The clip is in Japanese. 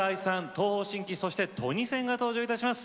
東方神起そしてトニセンが登場いたします。